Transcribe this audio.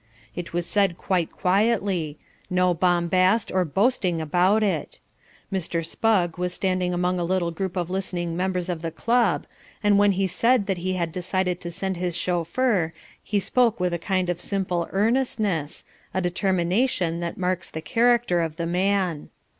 It was said quite quietly, no bombast or boasting about it. Mr. Spugg was standing among a little group of listening members of the club and when he said that he had decided to send his chauffeur, he spoke with a kind of simple earnestness, a determination that marks the character of the man.